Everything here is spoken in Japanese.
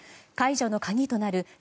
解除の鍵となる